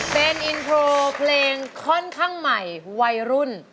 เป็นอินโทรเพลงค่อนข้างใหม่วัยรุ่น